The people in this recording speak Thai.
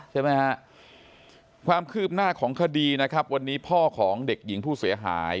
ใช่ไหมฮะความคืบหน้าของคดีนะครับวันนี้พ่อของเด็กหญิงผู้เสียหาย